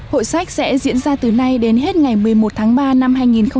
hội sách sẽ diễn ra từ nay đến hết ngày một mươi một tháng ba năm hai nghìn hai mươi